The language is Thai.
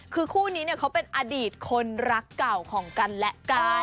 คือคู่นี้เขาเป็นอดีตคนรักเก่าของกันและกัน